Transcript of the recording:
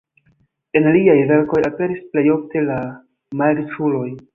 En liaj verkoj aperis plej ofte la malriĉuloj.